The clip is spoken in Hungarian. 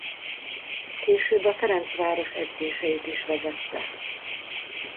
Később a Ferencváros edzéseit is vezette.